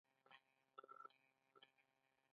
ایا هګۍ خورئ؟